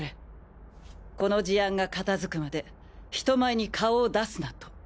この事案が片付くまで人前に顔を出すなと。